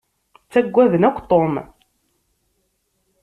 Ttaggaden akk Tom.